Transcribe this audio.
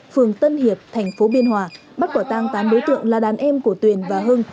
phường tân hiệp thành phố biên hòa bắt quả tang tám đối tượng là đàn em của tuyền và hưng